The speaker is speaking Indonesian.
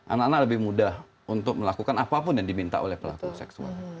anak anak lebih mudah untuk melakukan apapun yang diminta oleh pelaku seksual